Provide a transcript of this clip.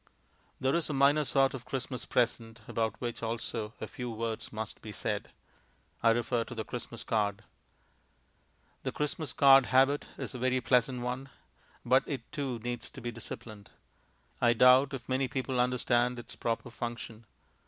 There is a minor sort of Christmas present about which also a few words must be said; I refer to the Christmas card. The Christmas card habit is a very pleasant one, but it, too, needs to be disciplined. I doubt if many people understand its proper function.